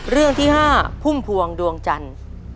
เรื่องที่๕พุ่มพวงดวงจันทร์